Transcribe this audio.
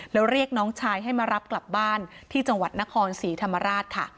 แล้วเรียกน้องชายให้มารับกลับบ้านที่จังหวัดนครศรีธรรมราชค่ะ